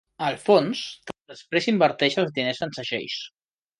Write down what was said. El fons després inverteix els diners en segells.